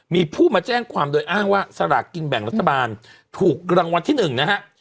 มีผู้มาแจ้งความโดยอ้างว่าสลากกินแบ่งรัฐบาลถูกรางวัลที่๑นะฮะ